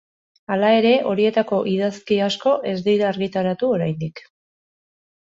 Hala ere, horietako idazki asko ez dira argitaratu oraindik.